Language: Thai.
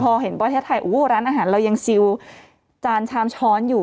พอเห็นประเทศไทยโอ้โหร้านอาหารเรายังซิลจานชามช้อนอยู่